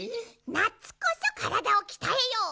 なつこそからだをきたえよう！